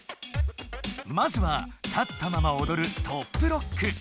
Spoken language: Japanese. まずは立ったままおどる「トップロック」！